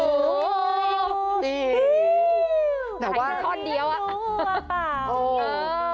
เวทีมิวกับหนูาปะเปล่าแต่ว่าคอนเดียวอะ